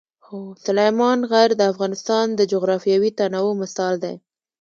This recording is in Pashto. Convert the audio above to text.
سلیمان غر د افغانستان د جغرافیوي تنوع مثال دی.